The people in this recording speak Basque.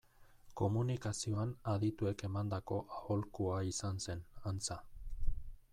Komunikazioan adituek emandako aholkua izan zen, antza.